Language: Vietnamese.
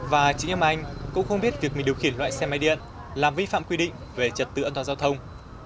và chị em anh cũng không biết việc mình điều khiển loại xe máy điện làm vi phạm quy định về trật tựa an toàn giao thông